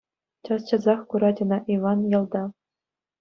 Час-часах курать ӑна Иван ялта.